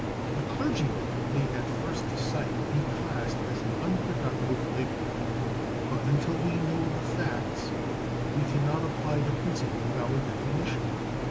A clergyman may at first sight be classed as an unproductive laborer; but, until we know the facts, we can not apply the principle of our definition.